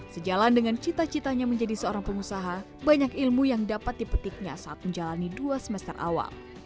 sejalan dengan cita citanya menjadi seorang pengusaha banyak ilmu yang dapat dipetiknya saat menjalani dua semester awal